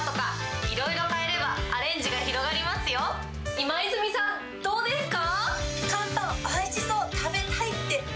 今泉さん、どうですか。